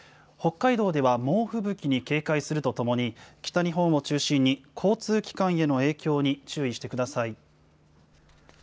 北海道では、猛吹雪に警戒するとともに、北日本を中心に交通機関への影響に注意してください。